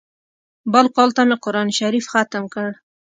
بل کال ته مې قران شريف ختم کړ.